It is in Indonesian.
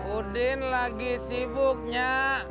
udin lagi sibuknya